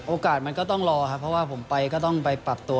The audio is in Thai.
มันก็ต้องรอครับเพราะว่าผมไปก็ต้องไปปรับตัว